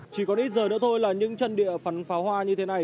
chỉ còn ít giờ nữa thôi là những chân địa phắn pháo hoa như thế này